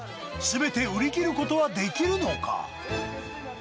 すべて売り切ることはできるのか。